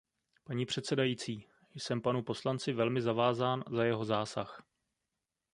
Paní předsedající, jsem panu poslanci velmi zavázán za jeho zásah.